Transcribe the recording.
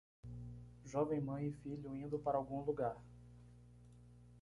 Jovem mãe e filho indo para algum lugar